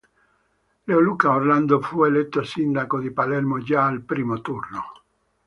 Leoluca Orlando fu eletto sindaco di Palermo già al primo turno.